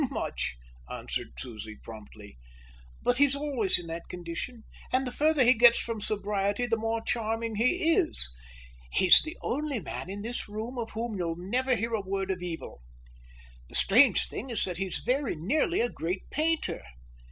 "Much," answered Susie promptly, "but he's always in that condition, and the further he gets from sobriety the more charming he is. He's the only man in this room of whom you'll never hear a word of evil. The strange thing is that he's very nearly a great painter.